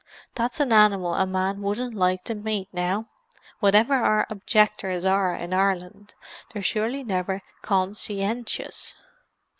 "That's an animal a man wouldn't like to meet, now! Whatever our objectors are in Ireland, they're surely never con sci en tious!"